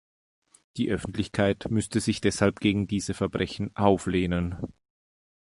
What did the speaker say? Die Öffentlichkeit müsste sich deshalb gegen diese Verbrechen auflehnen.